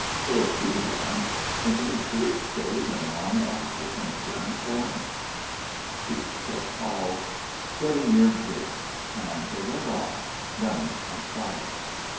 "So'd you run. Think any Sioux'd stay when an army officer comes gunning for him?" "Shoot!" said Powell. "'S getting near bridge," and they went on, running and firing.